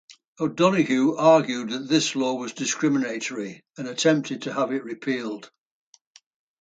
O'Donohue argued that this law was discriminatory, and attempted to have it repealed.